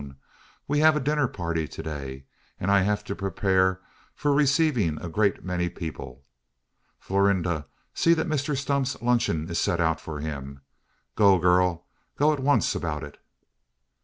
We have a dinner party to day; and I have to prepare for receiving a great many people. Florinda, see that Mr Stump's luncheon is set out for him. Go, girl go at once about it!"